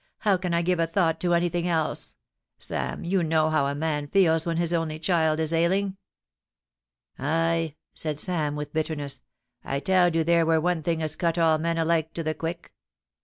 * How can I give a thought to anything else ? Sam, you know how a man feels when his only child is ailing.' * Ay !' said Sam, with bitterness ;* I tow'd you there were one thing as cut all men alike to the quick.